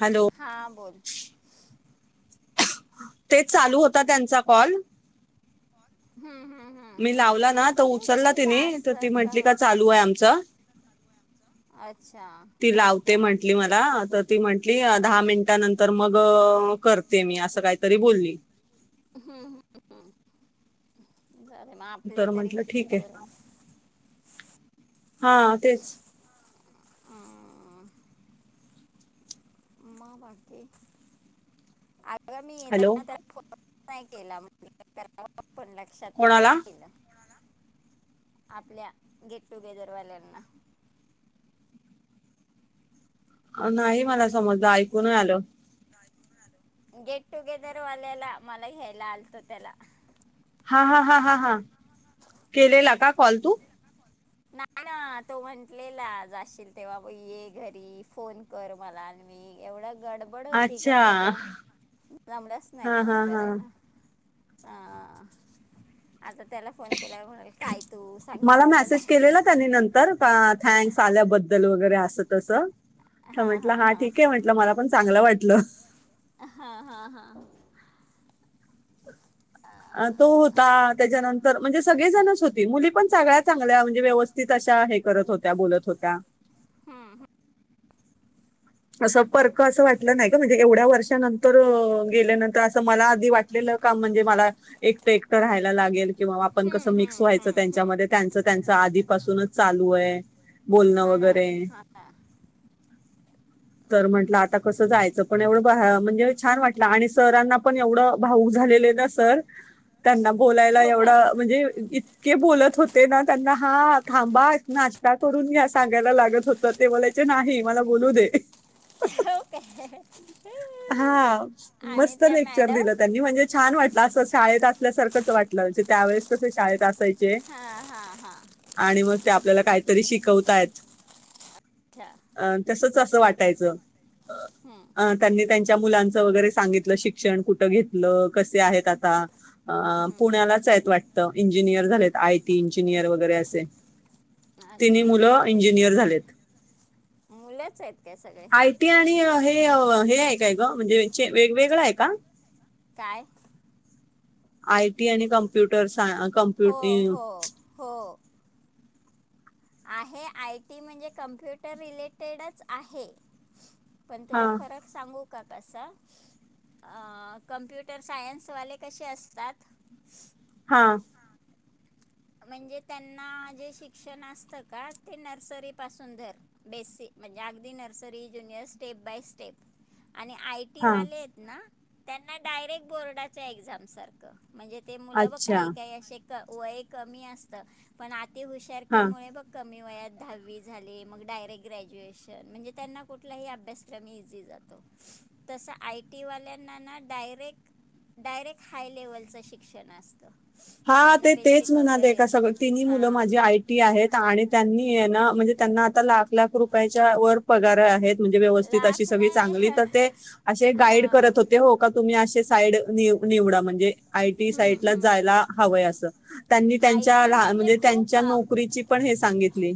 Hello हां बोल तेच चालू होता त्यांचा कॉल हम्म हम्म मी लावला ना हम्म तर तेच उचलला म्हणलं तिने तर असं ती का? म्हंटली चालू आहे आमचं अच्छा ते म्हंटली मला तर ती म्हंटली दहा मिनिटानंतर मग करते मी असं काही काय तरी बोलली. हम्म हम्म हम्म झाले मग आपले तर तरी म्हंटलं होतील ठीक आहे पुरण. हा तेच आ मग बाकी अग मी हॅलो फोन नाही केला कराव म्हणट पण लक्षात कोणाला आपल्या गेट टुगेदर वाल्यांना नाही मला समज ऐकून आलं गेट टुगेदरवाल्याला मला घ्यायला आलत त्याला. हा हा हा हा हा केलेला का कॉल तू? नाही ना तो म्हंटलेला जाशील तेव्हा ब ये घरी फोन कर मला मी एवढं गडबडीत गडबड होती का अच्छा त्याच्या जमल्याच नाही हा फोन हा हा करायला. ह आता त्याला फोन केल्यावर म्हणाल काय तू सांगितलं पण नाही. तर का थँक्स आल्याबद्दल वगैरे असं तसं तर म्हंटलं हा ठीक आहे म्हंटलं मला पण चांगलं वाटलं. हा हा हा अ तो होता त्याच्यानंतर म्हणजे सगळेजणच होती मुली पण सगळ्या चांगल्या म्हणजे व्यवस्थित अशा हे करत होत्या बोलत होत्या. हम्म हम्म असं परक असं वाटलं नाही ग म्हणजे एवढ्या वर्षानंतर गेल्यानंतर तर असं मला आधी वाटलेलं काम म्हणजे मला एकट एकटं राहायला लागेल तर किंवा आपण कसं हम्म, मिक्स हम्म, व्हायचं हम्म. त्यांच्यामध्ये,, त्यांच त्यांच आधीपासूनच चालू आहे. बोलणं हा ना वगैरे. हा, तर म्हटलं आता कसं जायचं. पण एवढं म्हणजे छान वाटलं, आणि सरांना पण एवढं, भाऊक झालेले ना सर. त्यांना बोलायला हो काय एवढं,, म्हणजेऽ बोलत होते ना त्यांना हा,, थांबा, नाश्ता करून घ्या सांगायला लागत होत. ते बोलायचे नाही, मला बोलू दे. हो,, काय, हा आणि मस्त त्या लेक्चर मॅडम. दिलं त्यांनी म्हणजे छान वाटलं असं, शाळेत असल्यासारखंच वाटलं, म्हणजे त्यावेळेस कस शाळेत असयचं. हा हा, हा, आणि मग ते आपल्याला काहीतरी शिकवताय. अच्छा, अ तसच असं वाटायचं. हम्म, अ त्यांनी त्यांच्या मुलांच वगैरे सांगितलं, शिक्षण कुठं घेतलं, कसे आहेत आता. अं, हम्म. पुण्यालाच आहेत वाटतं, इंजिनियर झालेत, आयटी इंजिनियर वगैरे, असे. तिन्ही अच्छा मुलं, इंजिनियर झालेत. मुलंच आहेत काय सगळी. आय टी आणि हे, हे आहे काय ग, म्हणजे वेगळं आहे का? काय? आय टी आणि कम्प्युटर सायनऽ हो हो, हो, आहे, आय टी म्हणजे कम्प्युटर रिलेटेडच आहे. पण हा तुला फरक सांगू का कसा? अं,, कं्प्युटर सायन्सवाले कसे असतात? हा, म्हणजे त्यांना, जे शिक्षण असतं का, ते नर्सरीपासून धरऽ बेसीक,, म्हणजे अगदी nursery junior, step by step आणि आयऽ टी हा वाले त ना, त्यांना डायरेक्ट बोर्डच्या एक्जाम सारखऽ म्हणजे ते मुलं, अच्छा काही काही असे वय कमी असत, पण आऽ ती हुशारकी हा मुळे बघ, कमी वयात दहावी झाली, मग डायरेक्ट ग्रॅज्युएशन, म्हणजे त्यांना कुठलाही अभ्यासक्रम इझी जातो. [inaudible] तसं आय टी वाल्यांना ना डायरेक्ट डायरेक्ट हाय लेव्हलचं शिक्षण असतं हा त्यांना तेच बेसिक म्हणाले वगैरे का सगळं तिन्ही नाही मुलं हा माझी आई आहेत आणि त्यांनी ना म्हणजे त्यांना आता लाख लाख रुप व पार आहेत म्हणजे व्यवस्थ अ लाख सग नाही चांगली तर ते असे हा गाईड करत हो हो का, तुम्ही आसे साईड निवडा, म्हणजे आयटी हम्म साईडलाच हम्म जायला. हवंय असं, त्यांनी आय त्यांच्या टी लान म्हणजे खूप त्यांच्या नोकरीची पण हे सांगितली,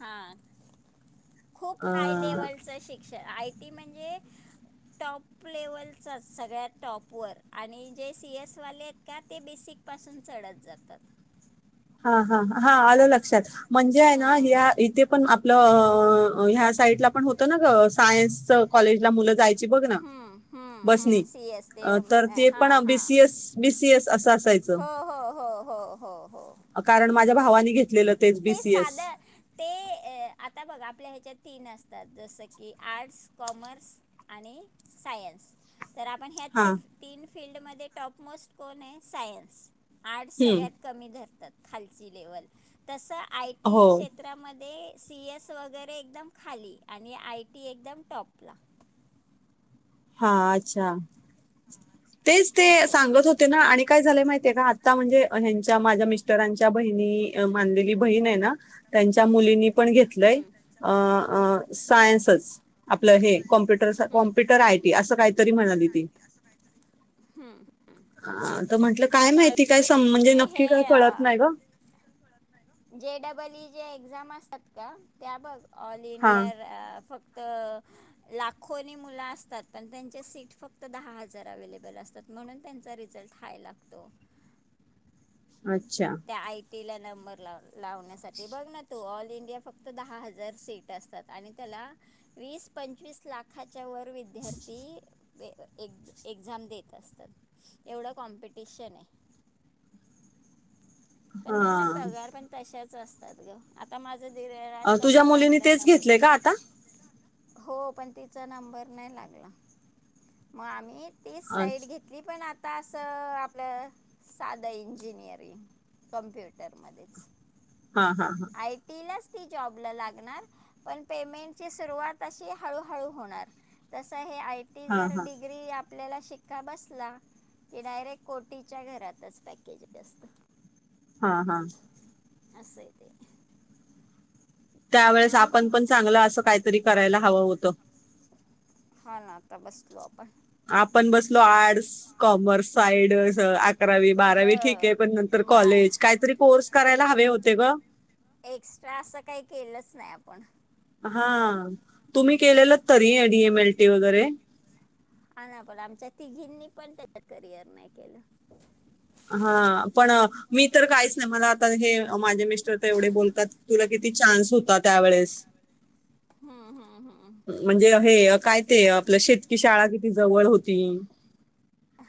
हा, खूप हाय अं, लेवलच शिकऽ श्ष, आय टी म्हणजे टॉप लेवलचाच, सगळ्यात टॉप. पुअर, आणि जे सी एस वाले आहेत का ते बेसिक पासून चढत जातात. हा हा, हा, आलं लक्षात, म्हणजे ना, हम्म. ह इथे पण आपलं, ह्या साईडलाऽ पण होत ना ग, सायन्स कॉलेजला मुलं जायची बघ ना, हम्म हम्म बसनी. हम्म सी एस ते अ अम, तर ते पण हां हां. बीसीएस बीसीएस असं असायचं हो हो हो हो हो हो. कारण माझ्या भावाने घेत ते साध ते अह आता बघ आपल्या ह्याच्यात तीन असतात जसं की आर्ट्स, कॉमर्स आणि सायन्स. तर आपण ह्यात हा हेि तीन फिल्ड मध्ये टॉपमोस्ट कोण आहे? सायन्स. आर्ट्स हम्म सगळ्यात कमी धरतात खालची लेवल तस आय टी हो क्षेत्र त्रामध्ये सी ए वगैरे एकदम खाली आणि आय टी एकदम टॉपला हा अच्छा तेच ते असं आहे सांगत होत ते ना आणि काय झालंय माहिती आहे का आता म्हणजे ह्यांच्या माझ्या मिस्टरांच्या बहिणी मानलेली बहीण आहे ना ते त्यांच्या मुलींनी पण घेतलंय हम्म. अह अह हम्म सायन्सच आपलं हे कॉम्प्युटर हम्म. कॉम्प्युटर आय टी असं काहीतरी म्हणाली ती [inaudible] हम्म. अ तर म्हंटलं आणि काय आय माहिती काय म्हणजे नक्की काय कळत नाही ग काही काळात नाही ग. जे डबल ई जे एक्झाम असतात का त्या बघ ऑल हा इंडिया फक्त लाखोनी मुलं असतात पण त्यांचे सीट फक्त दहा हजार अवेलेबल असतात म्हणून त्यांचा रिझल्ट हाय लागतो. अच्छा. त्या आय टी ला नंबर लाव लावण्यासाठी बघ ना तू ऑल इंडिया फक्त दहा हजार सीट असतात आणि त्याला वीस पंचवीस लाखाच्या वर विद्यार्थी ते एक एक्झाम देत असतात एवढं कॉम्पिटिशन आहे. पण त्यांना हा पगार पण तशाच असतात ग आता माझं धीररांचां तुझ्या पण मुलीनी लागलं आहे तेच ना घेतलंय का आता [inaudible] हो पण तिचा नंबर नाही लागला मग आम्ही तीच साईड अच्छा. घेतली पण आता असं आपलं साधं इंजिनिअरिंग कंप्युटरमध्येच हा हा हा. आय टी लाच ती जॉबला लागणार पण पेमेंटची सुरुवात अशी हळूहळू होणार तस हे आय टी हा जर हा डिग्री आप आपल्याला शिक्का बसला की डायरेक्ट कोटीच्या घरातच पॅकेज असतं हा हा. असं आहे ते. त्यावेेळेस आपण पण चांगलं असं काहीतरी करायला हवं होतं हा ना आता बसलो आपण आपण बसलो आर्टस कॉमर्स साईड अकरावी ह बारावी ठीक आहे पण नंतर मा कॉलेज काहीतरी कोर्स करायला हवे होते ग एक्स्ट्रा असं काही केलंच नाही आपण. हा तुम्ही केलेलं तरी ये डी एम एल टी वगैरे हा ना पण आमच्या तिघींनी पण त्याच्यात करिअर नाही केलं हा पण मी तर काहीच नाही मला आता हे माझे मिस्टर तर एवढे बोलतात तुला किती चान्स होतात हम्म हम्म हम्म म्हणजे हे काय ते आपलं शेतकी शाळा किती जवळ होती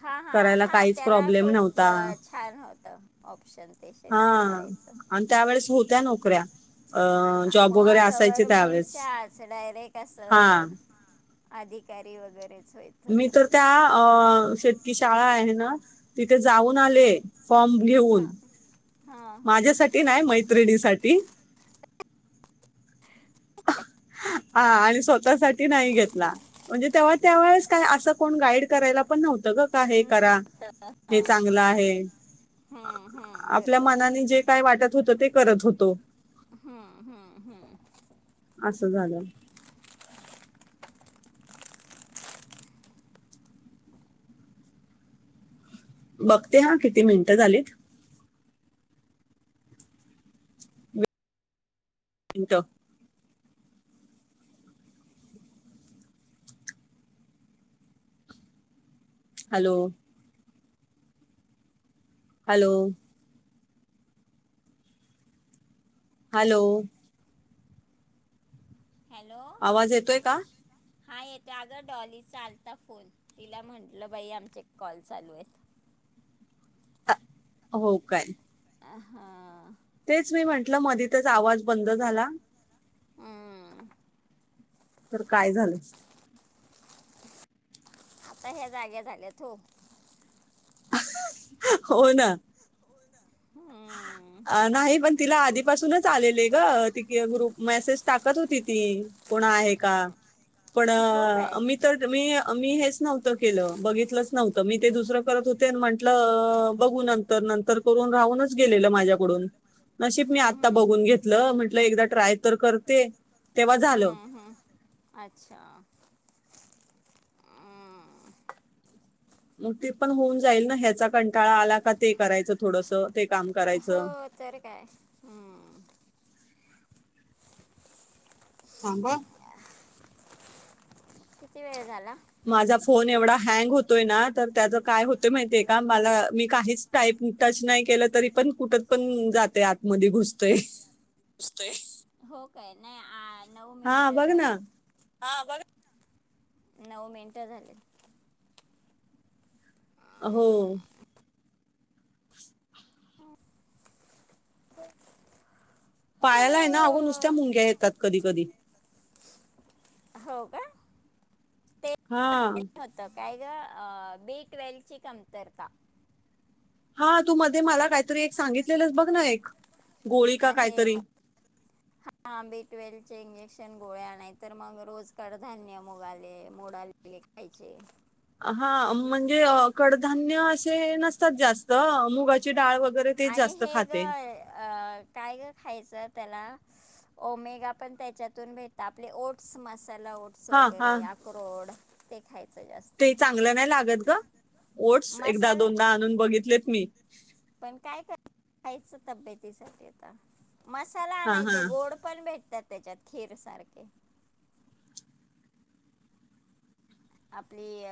हा हा करायला हा काहीच त्याला प्रॉब्लेम खूप नव्हता. छान होतं ऑप्शन ते हा शेतकी शाळेचं आणि त्यावेेळेस होत्या नोकऱ्या अ जॉब वगैरे मग असायचे त्यावेळेस. गव्हर्मेंटच्याच डायरेक्ट हा असं अधिकारी वगैरेच होय मी तर त्या शेतकी शाळा आहे ना तिथे जाऊन आले फॉर्म घेऊन हा हा माझ्यासाठी नाही मैत्रिणीसाठी हा आणि स्वतःसाठी नाही घेतला म्हणजे तेव्हा त्यावेेळेस काय असं कोण गाईड करायला पण नव्हतं ग का हे करा हे चांगलं आहे हम्म हम्म आपल्या बरोबर मनाने जे काय वाटत होत ते करत होतो हम हम् हम् असं झालं बघते हा किती मिनिटं झालीत त तो हॅलो हॅलो हॅलो हॅलो आवाज येतोय का हा येतं अगं डॉली चालता फोन तिला म्हंटलं बाई आमचे कॉल चालू आहेत हो काय आहाा तेच मी म्हंटलं मधीतच आवाज बंद झाला हमम तर काय झालं आता ह्या जागे झाल्यात हो हो ना हम्म नाही पण तिला आधीपासूनच आलेले आहे ग ति ग्रुप मेसेज टाकत होती ती कोणा आहे का पण हो काय तर मी मी हेच नव्हतं केलं बघितलंच नव्हतं मी ते दुसरं करत होते आणि म्हंटलं बघू तर नंतर करून राहूनच गेलेलं माझ्याकडून नशब मी हम्म, आता हम्म, बघून घेतलं म्हंटलं एकदा ट्राय तर करते तेव्हा झालं. हम्म हम्म अच्छा हमम मग ती पण होऊन जाईल ना ह्याचा कंटाळा आला का ते करायचं थोडस हो तर काय हम्म थांबा किती वेळ झाला माझा फोन एवढा हँग होतोय ना तर त्याचं काय होते माहितीय का मला मी काहीच टाईप टच नाही केलं तरी पण कुठत पण जाते आतमध्ये घुसत हो काय नाही नऊ हा मिनिट बघ ना झालेत ह नऊ मिेनटल हो पायाला आहे ना अगो नुसत्या हो मुंग्या येतात कधी कधी हो का हा होत काय ग बी ट्वेल्व ची कमतर का हा तू मध्ये मला काहीतरी एक सांगितलेलंस बघ ना एक गोळी का आहे काहीतरी मग [inaudible] हाबी ट्वेल्व चे इंजेक्शन गोळ्या नाही तर मग रोज कडधान्य मुगाले मोडाले जायचे हा म्हणजे कडधान्य असे नसतात जास्त मुगाची डाळ वगैरे ते आणि जास्त हे ग खाते अ काय ग खायचं त्याला ओमेगा पण त्याच्यातून भेट आपले ओट्स मसाला ओट ्स हा हा वगैरे अक्रोड ते खायचं जास्त ते चांगलं नाही लागत ग ओट्स एकदा मसाला दोनदा आणून बघितलेत मी पण काय करयच तब्येतीसाठी आता मसाला हा हा आणायचे गोड पण भेटतात त्याच्यात खीर सारखे आपली